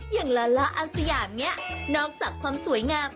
อย่างลาล่าอาเซียมเนี่ยน้องทรัพย์ความสวยงาม